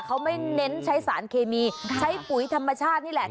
เขาไม่เน้นใช้สารเคมีใช้ปุ๋ยธรรมชาตินี่แหละ